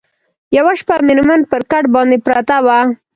یوه شپه مېرمن پر کټ باندي پرته وه